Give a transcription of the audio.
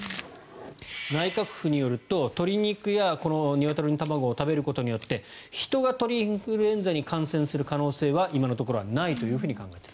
内閣府によると、鶏肉やニワトリの卵を食べることによって人が鳥インフルエンザに感染する可能性は今のところはないと考えている。